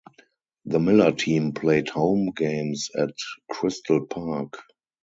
The Miller team played home games at Crystal Park.